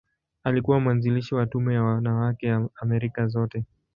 Alikuwa mwanzilishi wa Tume ya Wanawake ya Amerika Zote.